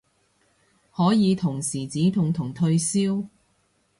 可以同時止痛同退燒